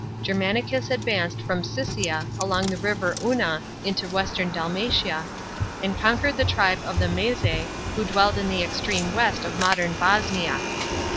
Gennanicus advanced from Siscia along the river Unna into western Dalmatia, and conquered the tribe of the Msezsei, who dwelled in the extreme west of modern Bosnia.